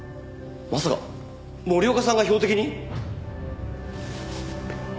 まさか森岡さんが標的に？